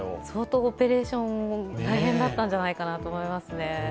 相当オペレーション、大変だったんじゃないかと思います。